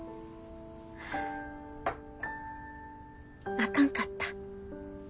あかんかった。